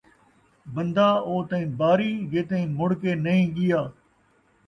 بندہ او تئیں باری، جے تئیں مڑ کے نئیں ڳیا